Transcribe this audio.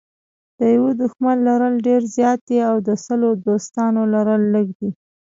د یوه دښمن لرل ډېر زیات دي او د سلو دوستانو لرل لږ دي.